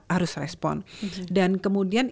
harus respon dan kemudian